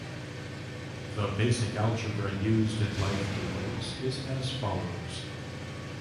The basic algebra used in life tables is as follows.